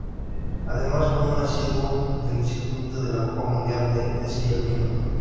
Además fue un asiduo del circuito de la Copa Mundial de Esquí Alpino.